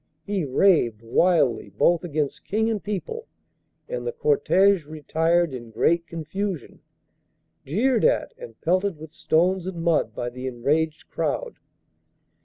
He raved wildly both against King and people, and the cortege retired in great confusion, jeered at and pelted with stones and mud by the enraged crowd.